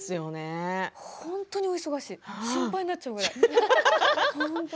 本当にお忙しい心配になっちゃうくらい。